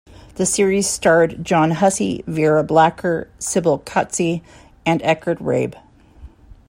The series starred John Hussey, Vera Blacker, Sybel Coetzee and Eckard Rabe.